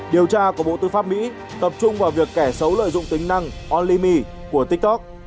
điều tra của bộ tư pháp mỹ tập trung vào việc kẻ xấu lợi dụng tính năng olimi của tiktok